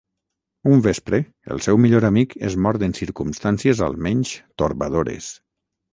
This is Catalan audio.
Un vespre, el seu millor amic és mort en circumstàncies almenys torbadores.